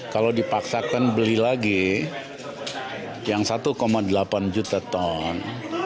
kalau dipaksakan beli lagi yang satu delapan juta ton